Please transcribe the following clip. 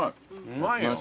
うまいよ。